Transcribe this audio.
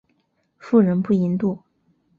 妇人不淫妒。